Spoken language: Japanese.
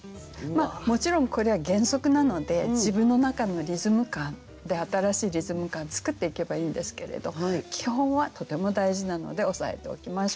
もちろんこれは原則なので自分の中のリズム感で新しいリズム感作っていけばいいんですけれど基本はとても大事なので押さえておきましょう。